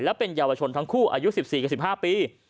และเป็นเยาวชนทั้งคู่อายุ๑๔กับ๑๕ปี